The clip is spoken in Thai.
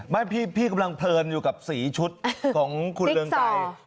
ไม่พี่กำลังเพลินอยู่กับสีชุดของคุณเรืองไกร